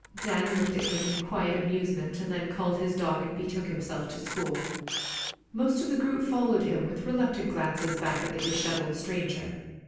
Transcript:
Dan looked at him in quiet amusement, and then called his dog and betook himself to school. Most of the group followed him, with reluctant glances back at the dishevelled stranger.